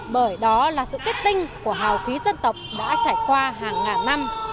bởi đó là sự kết tinh của hào khí dân tộc đã trải qua hàng ngàn năm